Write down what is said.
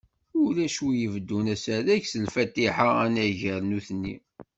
Ulac win ibeddun asarag s Lfatiḥa anagar nutni.